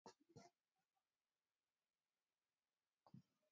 The Baka hunt and gather their own food.